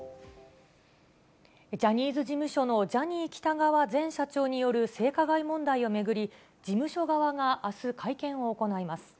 ジャニーズ事務所のジャニー喜多川前社長による性加害問題を巡り、事務所側があす、会見を行います。